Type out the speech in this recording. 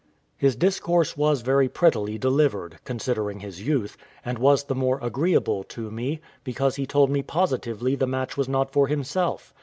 His discourse was very prettily delivered, considering his youth, and was the more agreeable to me, because he told me positively the match was not for himself.